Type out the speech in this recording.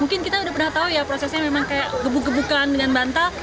mungkin kita udah pernah tahu ya prosesnya memang kayak gebuk gebukan dengan bantal